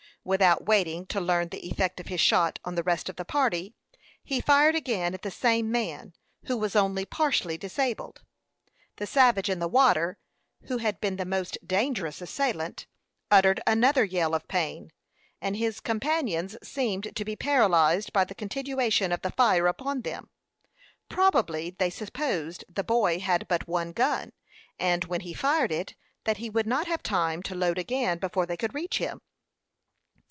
Without waiting to learn the effect of his shot on the rest of the party, he fired again at the same man, who was only partially disabled. The savage in the water, who had been the most dangerous assailant, uttered another yell of pain, and his companions seemed to be paralyzed by the continuation of the fire upon them. Probably they supposed the boy had but one gun, and, when he fired it, that he would not have time to load again before they could reach him.